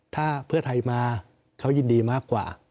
ถ้าเพื่อไทยมาเขายินดีมากกว่า